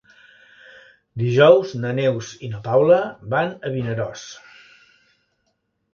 Dijous na Neus i na Paula van a Vinaròs.